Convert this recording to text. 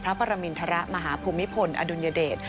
พระปรมินทรมาฮภูมิพลอดุลยเดช